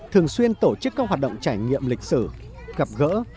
thường xuyên tổ chức các hoạt động trải nghiệm lịch sử gặp gỡ